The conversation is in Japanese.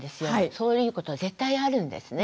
そういうことは絶対あるんですね。